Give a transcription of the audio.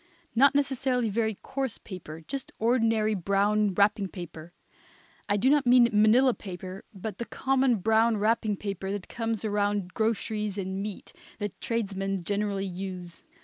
Not necessarily very coarse paper; just ordinary brown wrapping paper. I do not mean manila paper, but the common brown wrapping paper that comes around groceries and meat, that tradesmen generally use.